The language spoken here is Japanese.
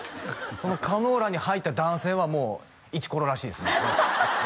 そのカノーラに入った男性はもうイチコロらしいですね